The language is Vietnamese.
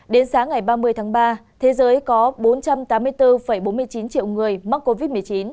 đến sáng ngày ba mươi tháng ba thế giới có bốn trăm tám mươi bốn bốn mươi chín triệu người mắc covid một mươi chín